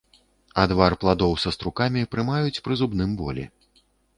Адвар пладоў са струкамі прымаюць пры зубным болі.